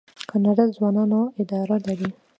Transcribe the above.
کاناډا د ځوانانو اداره لري.